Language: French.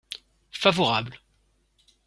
Favorable.